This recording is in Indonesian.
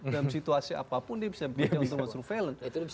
dalam situasi apapun dia bisa bekerja untuk surveillance